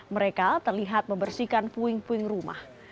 mereka terlihat membersihkan puing puing rumah